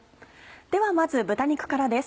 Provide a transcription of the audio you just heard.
ではまず豚肉からです。